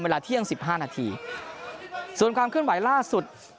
เวลาเที่ยงสิบห้านาทีส่วนความเคลื่อนไหวล่าสุด